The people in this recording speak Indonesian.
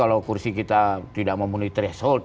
kalau kursi kita tidak memenuhi threshold